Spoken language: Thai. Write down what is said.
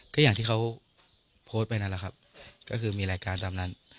ก็อย่างที่เขาโพสต์ไปนั่นแหละครับก็คือมีรายการตามนั้น